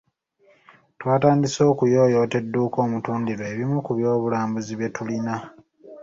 Twatandise okuyooyoota edduuka omutundirwa ebimu ku by’obulambuzi byetulina.